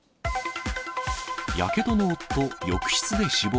やけどの夫、浴室で死亡。